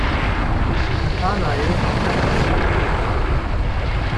Nathanael war permanent absprungbereit.